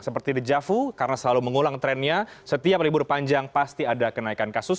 seperti di jafu karena selalu mengulang trennya setiap libur panjang pasti ada kenaikan kasus